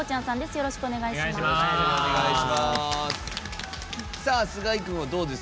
よろしくお願いします。